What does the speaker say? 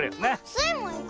スイもいく！